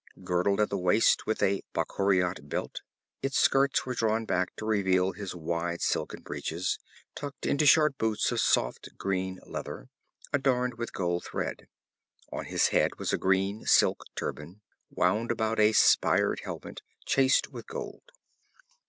Girdled at the waist with a Bakhauriot belt, its skirts were drawn back to reveal his wide silken breeches, tucked into short boots of soft green leather, adorned with gold thread. On his head was a green silk turban, wound about a spired helmet chased with gold.